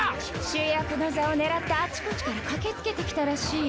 主役の座を狙ってあちこちから駆け付けてきたらしい。